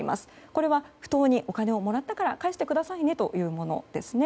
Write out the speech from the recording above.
これは不当にお金をもらったから返してくださいというものです。